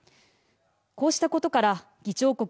こうしたことから議長国